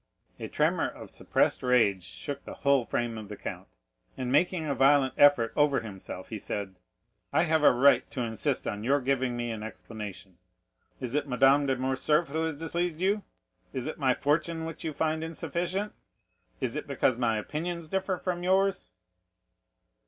A tremor of suppressed rage shook the whole frame of the count, and making a violent effort over himself, he said: "I have a right to insist on your giving me an explanation. Is it Madame de Morcerf who has displeased you? Is it my fortune which you find insufficient? Is it because my opinions differ from yours?"